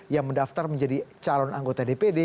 yang mendaftar menjadi calon anggota dpd